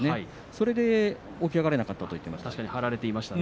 それで起き上がれなかったと言っていました。